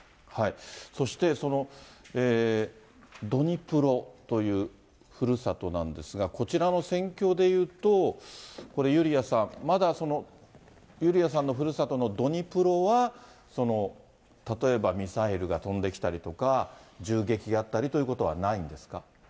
そしてそのドニプロというふるさとなんですが、こちらの戦況でいうと、これ、ユリアさん、まだユリアさんの故郷のドニプロは、例えばミサイルが飛んできたりとか、銃撃があったりということはないんですか。